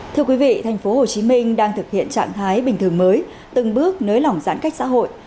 thưa quý vị tp hcm đang thực hiện trạng thái bình thường mới từng bước nới lỏng giãn cách xã hội